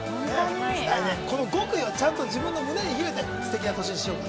来年この極意をちゃんと自分の胸に秘めてすてきな年にしようかな